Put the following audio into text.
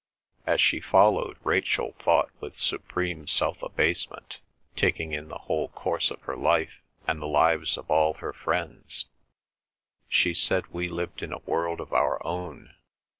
As she followed, Rachel thought with supreme self abasement, taking in the whole course of her life and the lives of all her friends, "She said we lived in a world of our own.